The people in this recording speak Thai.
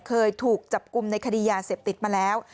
เคยถูกจับกลุ่มในคดียาเสพติดมาแล้ว